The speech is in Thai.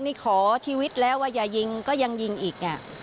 นี่ขอชีวิตแล้วว่าอย่ายิงก็ยังยิงอีก